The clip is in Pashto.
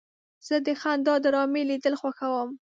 زه د خندا ډرامې لیدل خوښوم.